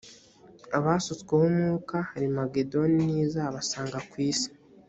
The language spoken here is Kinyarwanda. abasutsweho umwuka harimagedoni ntizabasanga ku isi